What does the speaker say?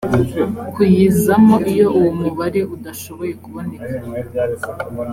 kuyizamo iyo uwo mubare udashoboye kuboneka